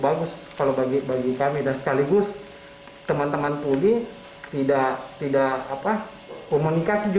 bagus kalau bagi bagi kami dan sekaligus teman teman pulih tidak tidak apa komunikasi